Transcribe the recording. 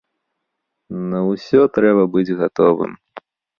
На ўсё трэба быць гатовым.